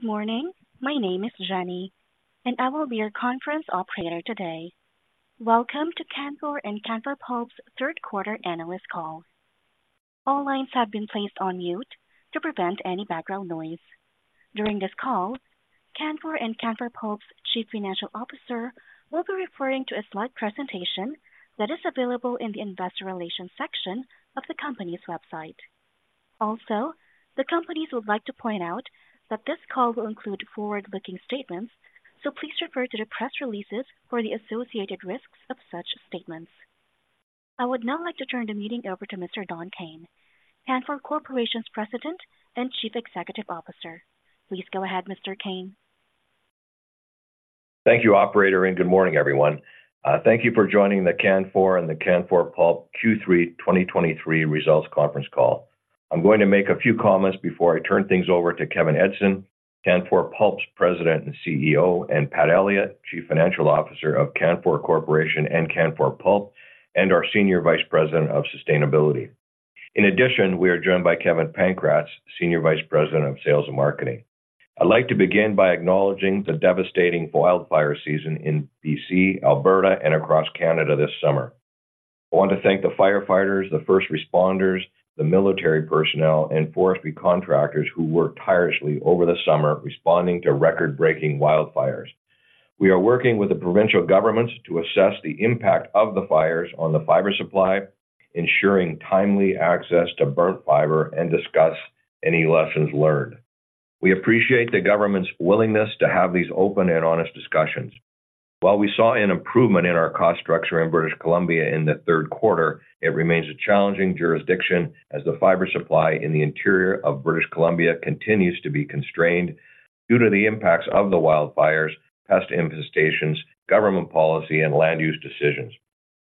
Good morning. My name is Jenny, and I will be your conference operator today. Welcome to Canfor and Canfor Pulp's third quarter analyst call. All lines have been placed on mute to prevent any background noise. During this call, Canfor and Canfor Pulp's Chief Financial Officer will be referring to a slide presentation that is available in the investor relations section of the company's website. Also, the companies would like to point out that this call will include forward-looking statements, so please refer to the press releases for the associated risks of such statements. I would now like to turn the meeting over to Mr. Don Kayne, Canfor Corporation's President and Chief Executive Officer. Please go ahead, Mr. Kayne. Thank you, operator, and good morning, everyone. Thank you for joining the Canfor and the Canfor Pulp Q3 2023 results conference call. I'm going to make a few comments before I turn things over to Kevin Edgson, Canfor Pulp's President and CEO, and Pat Elliott, Chief Financial Officer of Canfor Corporation and Canfor Pulp, and our Senior Vice President of Sustainability. In addition, we are joined by Kevin Pankratz, Senior Vice President of Sales and Marketing. I'd like to begin by acknowledging the devastating wildfire season in BC, Alberta, and across Canada this summer. I want to thank the firefighters, the first responders, the military personnel, and forestry contractors who worked tirelessly over the summer responding to record-breaking wildfires. We are working with the provincial governments to assess the impact of the fires on the fiber supply, ensuring timely access to burnt fiber, and discuss any lessons learned. We appreciate the government's willingness to have these open and honest discussions. While we saw an improvement in our cost structure in British Columbia in the third quarter, it remains a challenging jurisdiction, as the fiber supply in the interior of British Columbia continues to be constrained due to the impacts of the wildfires, pest infestations, government policy, and land use decisions.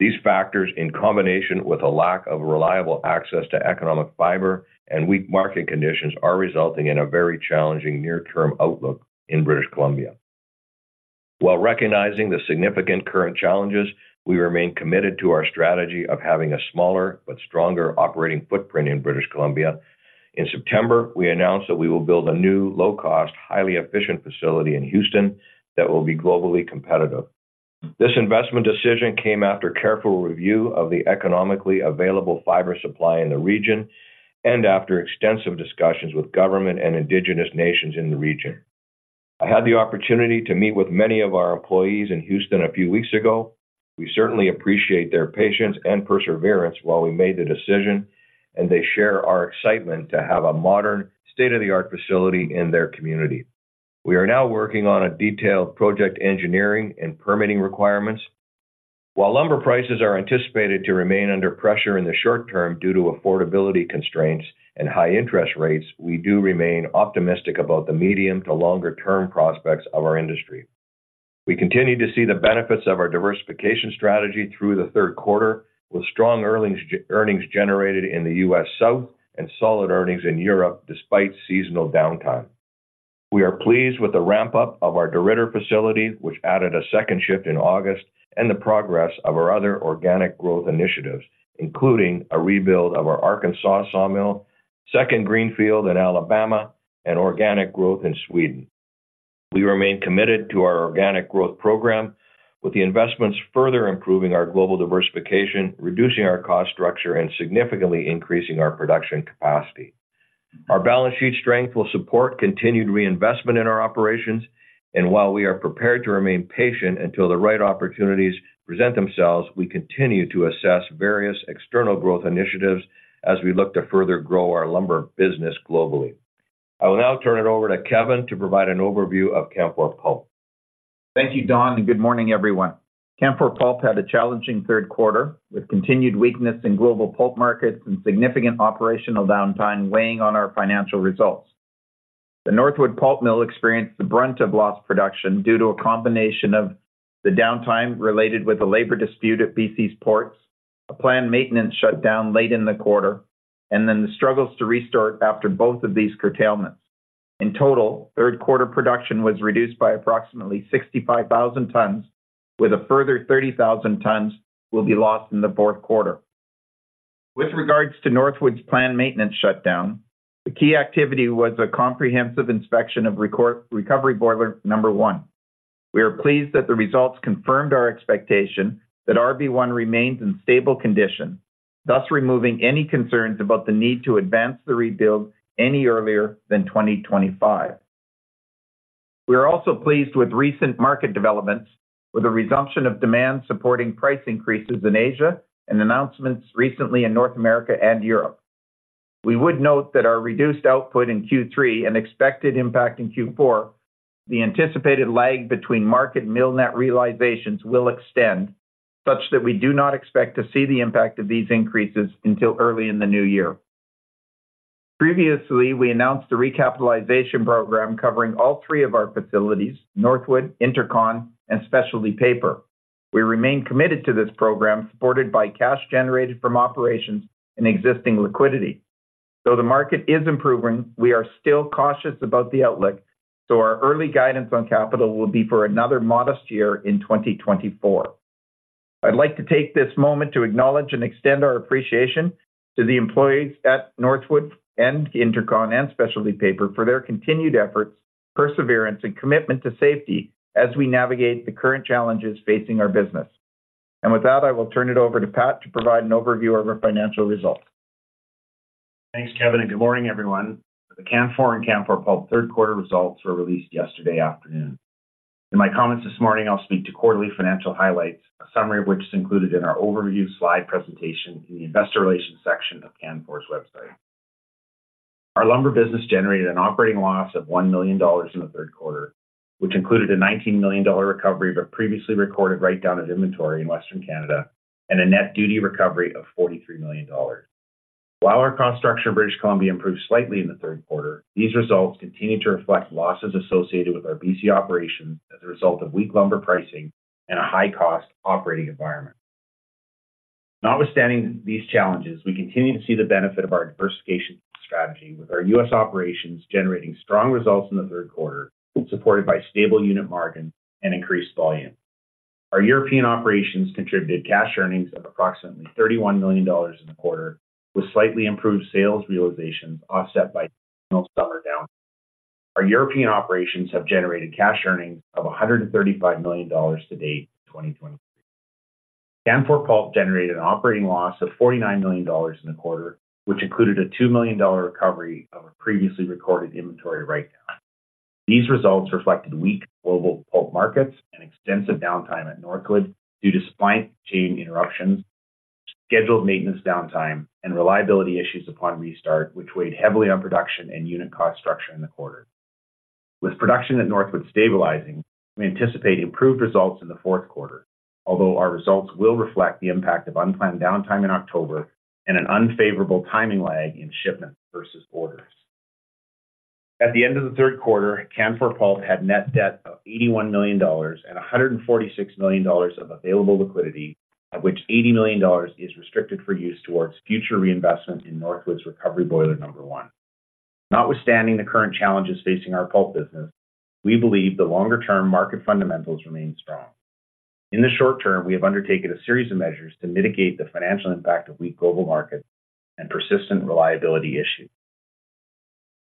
These factors, in combination with a lack of reliable access to economic fiber and weak market conditions, are resulting in a very challenging near-term outlook in British Columbia. While recognizing the significant current challenges, we remain committed to our strategy of having a smaller but stronger operating footprint in British Columbia. In September, we announced that we will build a new, low-cost, highly efficient facility in Houston that will be globally competitive. This investment decision came after careful review of the economically available fiber supply in the region and after extensive discussions with government and Indigenous nations in the region. I had the opportunity to meet with many of our employees in Houston a few weeks ago. We certainly appreciate their patience and perseverance while we made the decision, and they share our excitement to have a modern, state-of-the-art facility in their community. We are now working on a detailed project engineering and permitting requirements. While lumber prices are anticipated to remain under pressure in the short term due to affordability constraints and high interest rates, we do remain optimistic about the medium to longer-term prospects of our industry. We continue to see the benefits of our diversification strategy through the third quarter, with strong earnings generated in the US South and solid earnings in Europe, despite seasonal downtime. We are pleased with the ramp-up of our DeRidder facility, which added a second shift in August, and the progress of our other organic growth initiatives, including a rebuild of our Arkansas sawmill, second greenfield in Alabama, and organic growth in Sweden. We remain committed to our organic growth program, with the investments further improving our global diversification, reducing our cost structure, and significantly increasing our production capacity. Our balance sheet strength will support continued reinvestment in our operations, and while we are prepared to remain patient until the right opportunities present themselves, we continue to assess various external growth initiatives as we look to further grow our lumber business globally. I will now turn it over to Kevin to provide an overview of Canfor Pulp. Thank you, Don, and good morning, everyone. Canfor Pulp had a challenging third quarter, with continued weakness in global pulp markets and significant operational downtime weighing on our financial results. The Northwood Pulp Mill experienced the brunt of lost production due to a combination of the downtime related with the labor dispute at BC's ports, a planned maintenance shutdown late in the quarter, and then the struggles to restart after both of these curtailments. In total, third quarter production was reduced by approximately 65,000 tons, with a further 30,000 tons will be lost in the fourth quarter. With regards to Northwood's planned maintenance shutdown, the key activity was a comprehensive inspection of recovery boiler number one. We are pleased that the results confirmed our expectation that RB-1 remains in stable condition, thus removing any concerns about the need to advance the rebuild any earlier than 2025. We are also pleased with recent market developments, with a resumption of demand supporting price increases in Asia and announcements recently in North America and Europe. We would note that our reduced output in Q3 and expected impact in Q4. The anticipated lag between market mill net realizations will extend such that we do not expect to see the impact of these increases until early in the new year. Previously, we announced a Recapitalization program covering all three of our facilities, Northwood, Intercontinental and Specialty Paper. We remain committed to this program, supported by cash generated from operations and existing liquidity. Though the market is improving, we are still cautious about the outlook, so our early guidance on capital will be for another modest year in 2024. I'd like to take this moment to acknowledge and extend our appreciation to the employees at Northwood and Intercon and Specialty Paper for their continued efforts, perseverance, and commitment to safety as we navigate the current challenges facing our business. And with that, I will turn it over to Pat to provide an overview of our financial results. Thanks, Kevin, and good morning, everyone. The Canfor and Canfor Pulp third quarter results were released yesterday afternoon. In my comments this morning, I'll speak to quarterly financial highlights, a summary of which is included in our overview slide presentation in the investor relations section of Canfor's website. Our lumber business generated an operating loss of 1 million dollars in the third quarter, which included a 19 million dollar recovery, but previously recorded write-down of inventory in Western Canada, and a net duty recovery of 43 million dollars. While our construction in British Columbia improved slightly in the third quarter, these results continue to reflect losses associated with our BC operations as a result of weak lumber pricing and a high-cost operating environment. Notwithstanding these challenges, we continue to see the benefit of our diversification strategy, with our U.S. operations generating strong results in the third quarter, supported by stable unit margins and increased volume. Our European operations contributed cash earnings of approximately 31 million dollars in the quarter, with slightly improved sales realizations, offset by seasonal summer downtime. Our European operations have generated cash earnings of 135 million dollars to date in 2023. Canfor Pulp generated an operating loss of 49 million dollars in the quarter, which included a 2 million dollar recovery of a previously recorded inventory write-down. These results reflected weak global pulp markets and extensive downtime at Northwood due to supply chain interruptions, scheduled maintenance downtime, and reliability issues upon restart, which weighed heavily on production and unit cost structure in the quarter. With production at Northwood stabilizing, we anticipate improved results in the fourth quarter, although our results will reflect the impact of unplanned downtime in October and an unfavorable timing lag in shipments versus orders. At the end of the third quarter, Canfor Pulp had net debt of 81 million dollars and 146 million dollars of available liquidity, of which 80 million dollars is restricted for use towards future reinvestment in Northwood's Recovery Boiler Number One. Notwithstanding the current challenges facing our pulp business, we believe the longer-term market fundamentals remain strong. In the short term, we have undertaken a series of measures to mitigate the financial impact of weak global markets and persistent reliability issues.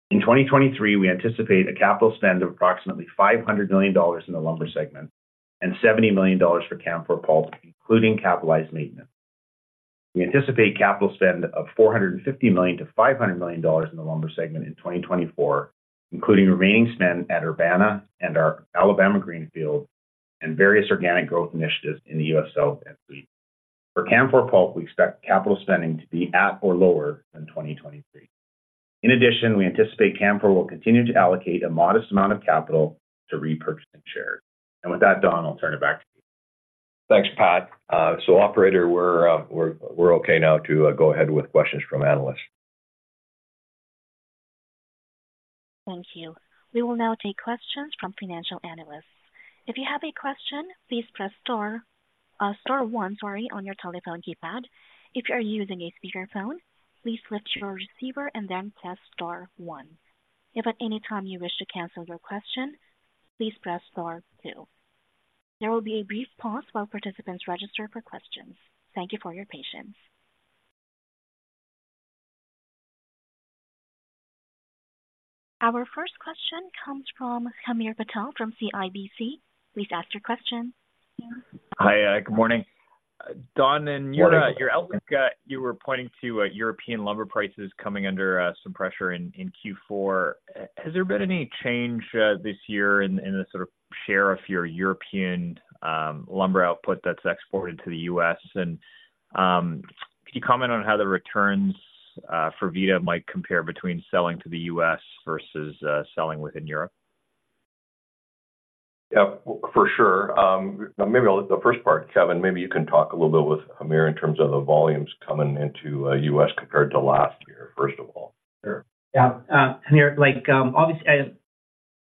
In 2023, we anticipate a capital spend of approximately 500 million dollars in the lumber segment and 70 million dollars for Canfor Pulp, including capitalized maintenance. We anticipate capital spend of $450 million-$500 million in the lumber segment in 2024, including remaining spend at Urbana and our Alabama greenfield and various organic growth initiatives in the US South and fleet. For Canfor Pulp, we expect capital spending to be at or lower than 2023. In addition, we anticipate Canfor will continue to allocate a modest amount of capital to repurchasing shares. With that, Don, I'll turn it back to you. Thanks, Pat. So, operator, we're okay now to go ahead with questions from analysts. Thank you. We will now take questions from financial analysts. If you have a question, please press star, star one, sorry, on your telephone keypad. If you are using a speakerphone, please lift your receiver and then press star one. If at any time you wish to cancel your question, please press star two. There will be a brief pause while participants register for questions. Thank you for your patience. Our first question comes from Hamir Patel from CIBC. Please ask your question. Hi, good morning. Don and- Morning. Your outlook, you were pointing to European lumber prices coming under some pressure in Q4. Has there been any change this year in the sort of share of your European lumber output that's exported to the U.S.? And, can you comment on how the returns for Vida might compare between selling to the U.S. versus selling within Europe? Yeah, for sure. Maybe the first part, Kevin, maybe you can talk a little bit with Hamir in terms of the volumes coming into, U.S. compared to last year, first of all. Yeah. Hamir, like, obviously,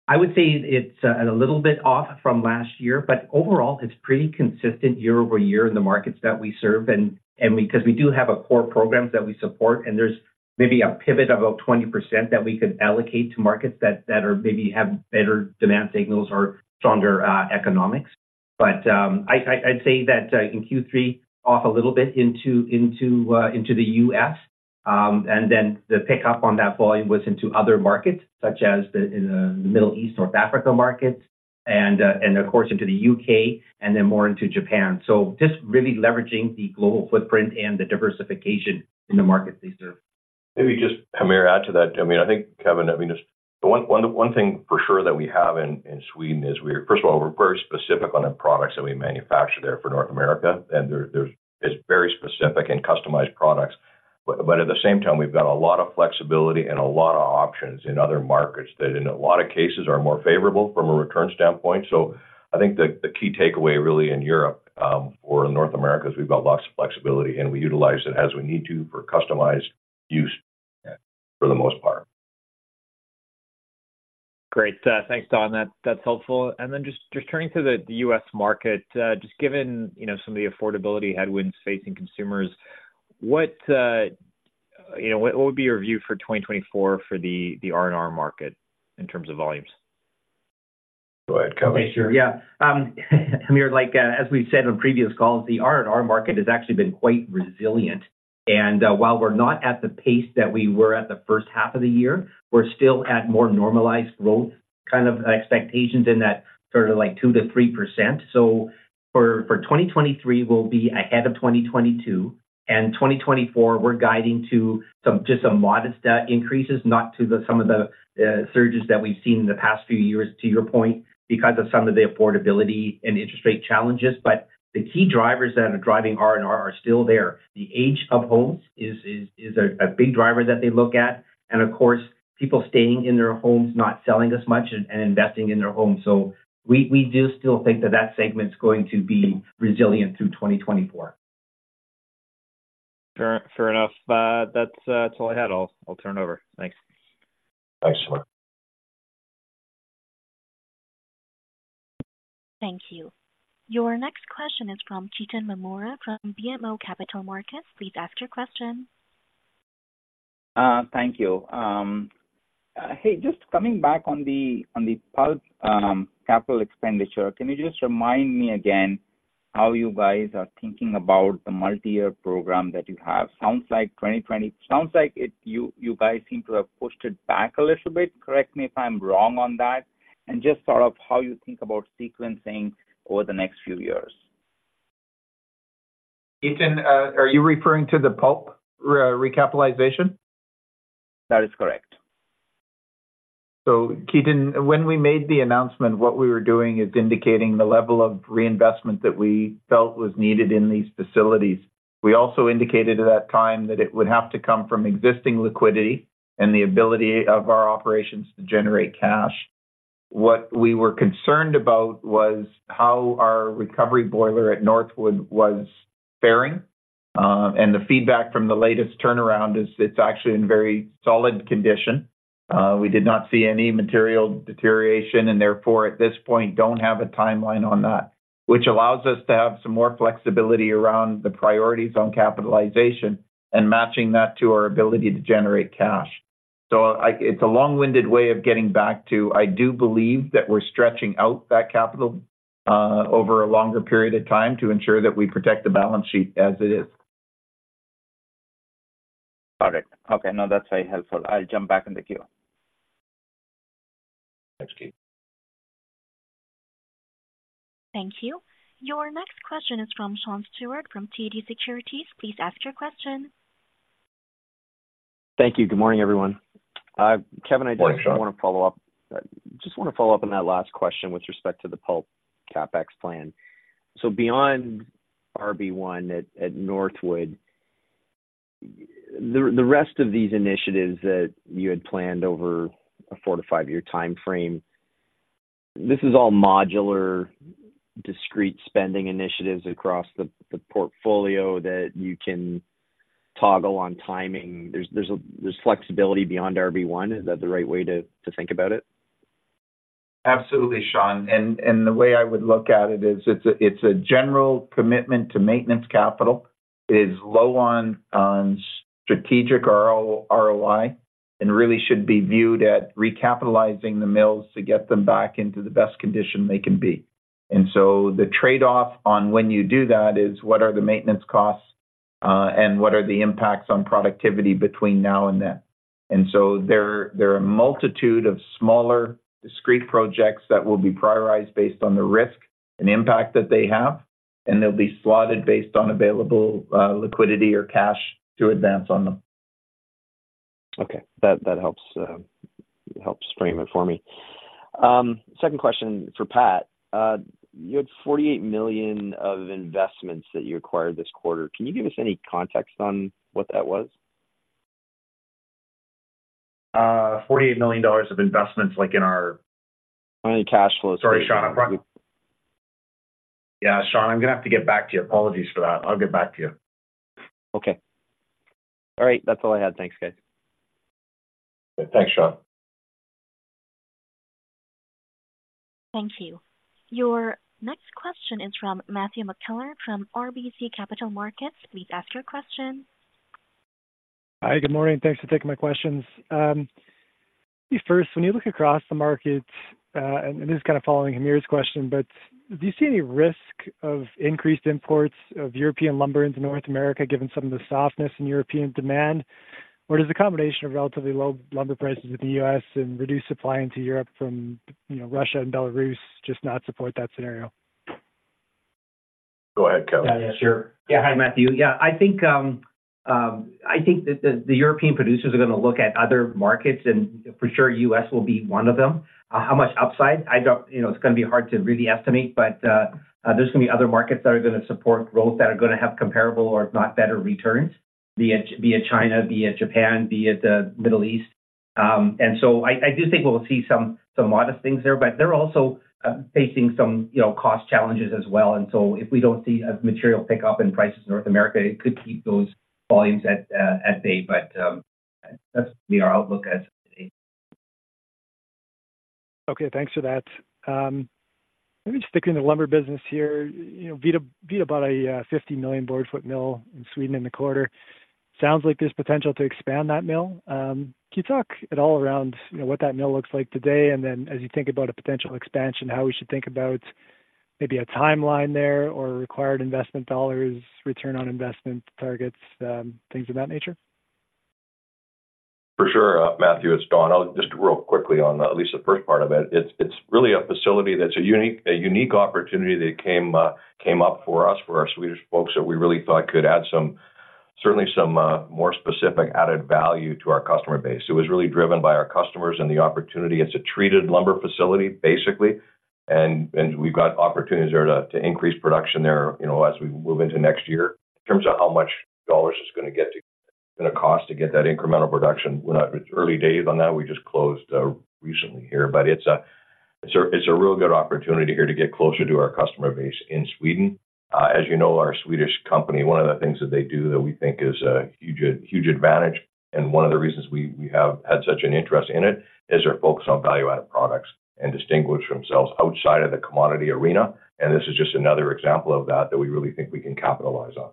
I, would say it's a little bit off from last year, but overall, it's pretty consistent year-over-year in the markets that we serve. And because we do have core programs that we support, and there's maybe a pivot about 20% that we could allocate to markets that, that are maybe have better demand signals or stronger economics. But, I'd say that, in Q3, off a little bit into, into, into the U.S., and then the pickup on that volume was into other markets, such as the, in the Middle East, North Africa markets, and, and of course, into the U.K., and then more into Japan. So just really leveraging the global footprint and the diversification in the markets we serve. Maybe just, Hamir, add to that. I mean, I think, Kevin, I mean, just the one, one, one thing for sure that we have in Sweden is we're, first of all, very specific on the products that we manufacture there for North America, and there, there's, it's very specific and customized products. But at the same time, we've got a lot of flexibility and a lot of options in other markets that in a lot of cases are more favorable from a return standpoint. So I think the key takeaway, really, in Europe or North America, is we've got lots of flexibility, and we utilize it as we need to for customized use for the most part. Great. Thanks, Don. That, that's helpful. And then just, just turning to the, the U.S. market, just given, you know, some of the affordability headwinds facing consumers, what, you know, what would be your view for 2024 for the, the R&R market in terms of volumes? Go ahead, Kevin. Sure, yeah. I mean, like, as we've said on previous calls, the R&R market has actually been quite resilient. And while we're not at the pace that we were at the first half of the year, we're still at more normalized growth, kind of expectations in that sort of like 2%-3%. So for 2023, we'll be ahead of 2022. And 2024, we're guiding to some, just some modest increases, not to the some of the surges that we've seen in the past few years, to your point, because of some of the affordability and interest rate challenges. But the key drivers that are driving R&R are still there. The age of homes is a big driver that they look at. And of course, people staying in their homes, not selling as much and, and investing in their homes. So we, we do still think that that segment's going to be resilient through 2024. Fair, fair enough. That's all I had. I'll, I'll turn it over. Thanks. Thanks. Thank you. Your next question is from Ketan Mamtora, from BMO Capital Markets. Please ask your question. Thank you. Hey, just coming back on the pulp capital expenditure, can you just remind me again how you guys are thinking about the multiyear program that you have? Sounds like 2020 you guys seem to have pushed it back a little bit. Correct me if I'm wrong on that, and just sort of how you think about sequencing over the next few years. Ketan, are you referring to the pulp recapitalization? That is correct. So, Ketan, when we made the announcement, what we were doing is indicating the level of reinvestment that we felt was needed in these facilities. We also indicated at that time that it would have to come from existing liquidity and the ability of our operations to generate cash. What we were concerned about was how our recovery boiler at Northwood was faring, and the feedback from the latest turnaround is, it's actually in very solid condition. We did not see any material deterioration, and therefore, at this point, don't have a timeline on that, which allows us to have some more flexibility around the priorities on capitalization and matching that to our ability to generate cash. It's a long-winded way of getting back to, I do believe that we're stretching out that capital over a longer period of time to ensure that we protect the balance sheet as it is. Got it. Okay, now that's very helpful. I'll jump back in the queue. Thanks, Ketan. Thank you. Your next question is from Sean Steuart, from TD Securities. Please ask your question. Thank you. Good morning, everyone. Kevin, I just- Morning, Sean. I want to follow up. Just want to follow up on that last question with respect to the pulp CapEx plan. So beyond RB-1 at Northwood, the rest of these initiatives that you had planned over a 4-5-year timeframe, this is all modular, discrete spending initiatives across the portfolio that you can toggle on timing. There's flexibility beyond RB-1. Is that the right way to think about it? Absolutely, Sean. The way I would look at it is, it's a general commitment to maintenance capital. It is low on strategic ROI, and really should be viewed at recapitalizing the mills to get them back into the best condition they can be. So the trade-off on when you do that is: What are the maintenance costs, and what are the impacts on productivity between now and then? There are a multitude of smaller, discrete projects that will be prioritized based on the risk and impact that they have, and they'll be slotted based on available liquidity or cash to advance on them. Okay. That, that helps frame it for me. Second question for Pat. You had 48 million of investments that you acquired this quarter. Can you give us any context on what that was? $48 million of investments, like in our- On your cash flow. Sorry, Sean, I'm sorry. Yeah, Sean, I'm gonna have to get back to you. Apologies for that. I'll get back to you. Okay. All right. That's all I had. Thanks, guys. Thanks, Sean. Thank you. Your next question is from Matthew McKellar, from RBC Capital Markets. Please ask your question. Hi, good morning. Thanks for taking my questions. First, when you look across the market, and this is kind of following Hamir's question, but do you see any risk of increased imports of European lumber into North America, given some of the softness in European demand? Or does the combination of relatively low lumber prices in the U.S. and reduced supply into Europe from, you know, Russia and Belarus, just not support that scenario? Go ahead, Kevin. Yeah, sure. Yeah. Hi, Matthew. Yeah, I think, I think that the European producers are gonna look at other markets, and for sure, U.S. will be one of them. How much upside? You know, it's gonna be hard to really estimate, but, there's gonna be other markets that are gonna support growth, that are gonna have comparable or if not better returns, be it China, be it Japan, be it the Middle East. And so I do think we'll see some modest things there, but they're also facing some, you know, cost challenges as well. And so if we don't see a material pickup in prices in North America, it could keep those volumes at bay. But, that'll be our outlook as of today. Okay, thanks for that. Maybe just sticking to the lumber business here, you know, Vida, Vida about a 50 million board foot mill in Sweden in the quarter. Sounds like there's potential to expand that mill. Can you talk at all around, you know, what that mill looks like today, and then as you think about a potential expansion, how we should think about maybe a timeline there or required investment dollars, return on investment targets, things of that nature? For sure, Matthew, it's Don. I'll just real quickly on at least the first part of it. It's really a facility that's a unique opportunity that came up for us, for our Swedish folks, that we really thought could add some certainly some more specific added value to our customer base. It was really driven by our customers and the opportunity. It's a treated lumber facility, basically, and we've got opportunities there to increase production there, you know, as we move into next year. In terms of how much dollars it's gonna cost to get that incremental production, we're not early days on that. We just closed recently here, but it's a real good opportunity here to get closer to our customer base in Sweden. As you know, our Swedish company, one of the things that they do that we think is a huge ad, huge advantage, and one of the reasons we have had such an interest in it, is their focus on value-added products and distinguish themselves outside of the commodity arena. And this is just another example of that we really think we can capitalize on.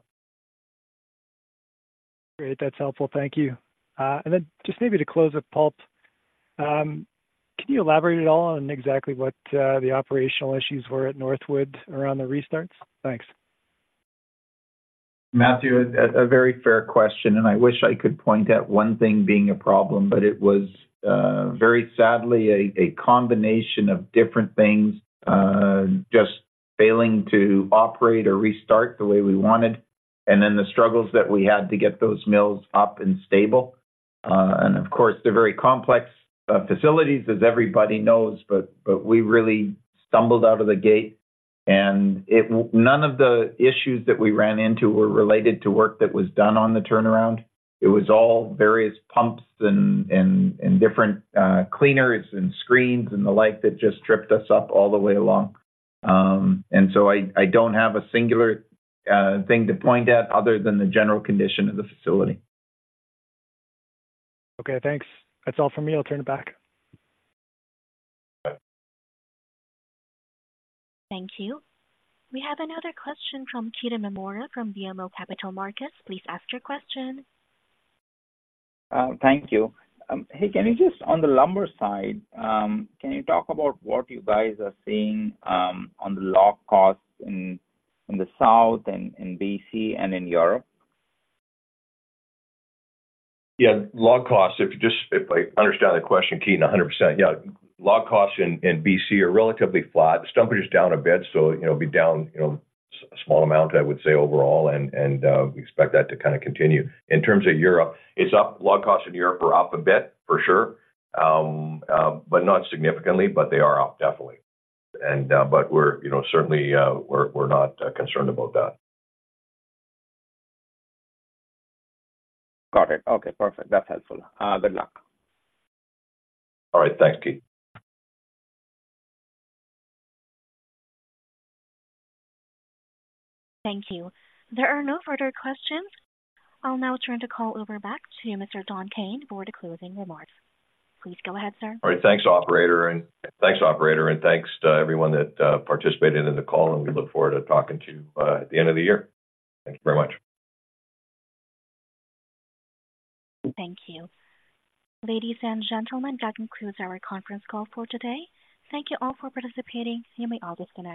Great. That's helpful. Thank you. And then just maybe to close with pulp, can you elaborate at all on exactly what the operational issues were at Northwood around the restarts? Thanks. Matthew, a very fair question, and I wish I could point at one thing being a problem, but it was very sadly a combination of different things just failing to operate or restart the way we wanted, and then the struggles that we had to get those mills up and stable. And of course, they're very complex facilities, as everybody knows, but we really stumbled out of the gate. None of the issues that we ran into were related to work that was done on the turnaround. It was all various pumps and different cleaners and screens and the like that just tripped us up all the way along. And so I don't have a singular thing to point at other than the general condition of the facility. Okay, thanks. That's all for me. I'll turn it back. Thank you. We have another question from Ketan Mamtora from BMO Capital Markets. Please ask your question. Thank you. Hey, can you just, on the lumber side, can you talk about what you guys are seeing, on the log costs in the South and in BC and in Europe? Yeah, log costs, if I understand the question, Ketan, 100%. Yeah. Log costs in BC are relatively flat. The stumpage is down a bit, so, you know, be down, you know, a small amount, I would say, overall, and we expect that to kind of continue. In terms of Europe, it's up. Log costs in Europe are up a bit for sure, but not significantly, but they are up definitely. But we're, you know, certainly, we're not concerned about that. Got it. Okay, perfect. That's helpful. Good luck. All right. Thanks, Ketan. Thank you. There are no further questions. I'll now turn the call over back to Mr. Don Kayne for the closing remarks. Please go ahead, sir. All right. Thanks, operator, and thanks, operator, and thanks to everyone that participated in the call, and we look forward to talking to you at the end of the year. Thank you very much. Thank you. Ladies and gentlemen, that concludes our conference call for today. Thank you all for participating. You may all disconnect.